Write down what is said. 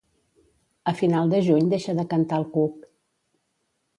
A final de juny deixa de cantar el cuc.